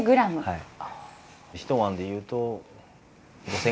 はい。